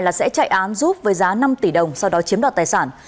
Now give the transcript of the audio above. là sẽ chạy án giúp với giá năm tỷ đồng sau đó chiếm đoạt tài sản